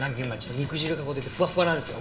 肉汁がこう出てふわふわなんですよ。